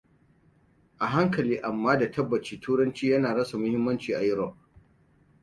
A hankali amma da tabbaci turanci ya na rasa mahimmanci a Europe.